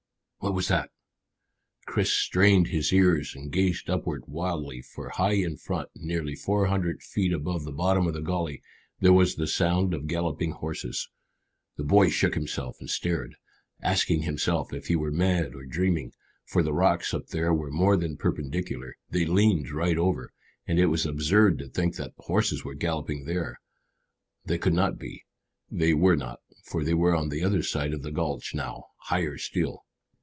What was that? Chris strained his ears and gazed upward wildly, for high in front, nearly four hundred feet above the bottom of the gully, there was the sound of galloping horses. The boy shook himself and stared, asking himself if he were mad or dreaming. For the rocks up there were more than perpendicular, they leaned right over, and it was absurd to think that horses were galloping there. They could not be. They were not, for they were on the other side of the gulch now, higher still.